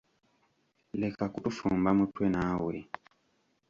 Leka kutufumba mutwe naawe.